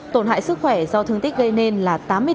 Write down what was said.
tổn hại sức khỏe do thương tích gây nên là tám mươi bốn